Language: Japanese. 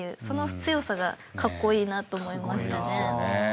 その強さがカッコイイなと思いましたね。